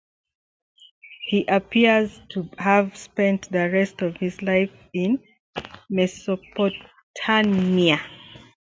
He appears to have spent the rest of his life in Mesopotamia.